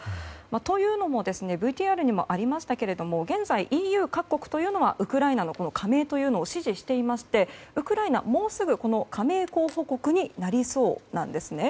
というのもＶＴＲにもありましたけれども現在、ＥＵ各国というのはウクライナの加盟というのを支持していましてウクライナはもうすぐ加盟候補国になりそうなんですね。